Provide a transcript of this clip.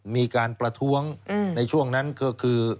มีการประท้วงในช่วงนั้นก็คือ